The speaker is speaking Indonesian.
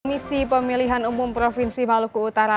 komisi pemilihan umum provinsi maluku utara